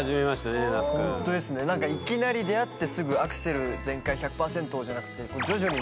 いきなり出会ってすぐアクセル全開１００パーセントじゃなくていいですよね。